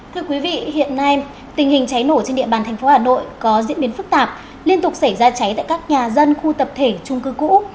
thưa quý vị hiện nay tình hình cháy nổ trên địa bàn thành phố hà nội có diễn biến phức tạp liên tục xảy ra cháy tại các nhà dân khu tập thể trung cư cũ